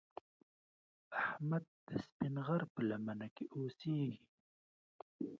احمد د سپین غر په لمنه کې اوسږي.